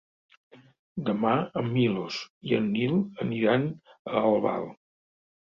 Demà en Milos i en Nil aniran a Albal.